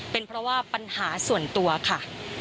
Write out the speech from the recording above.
เป็นเพราะว่าปัญหาส่วนตัวค่ะ